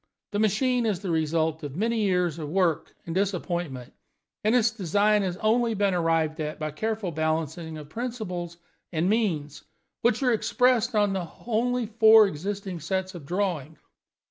The machine is the result of many years of work and disappointment, and its design has only been arrived at by a careful balancing of principles and means, which are expressed on the only four existing sets of drawings.